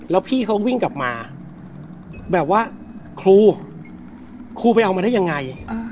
แล้วพี่เขาวิ่งกลับมาแบบว่าครูครูไปเอามาได้ยังไง